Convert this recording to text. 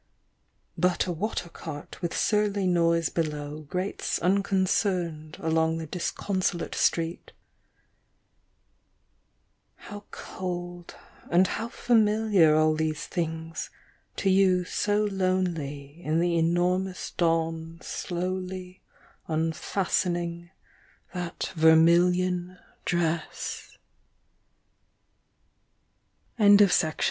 But a water cart with surly noise below Grates unconcerned along the disconsolate street, How cold and how familiar all these things, To you so lonely in the enormous dawn Slowly unfastening that vermi